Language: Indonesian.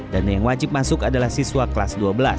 dan yang wajib masuk adalah siswa kelas dua belas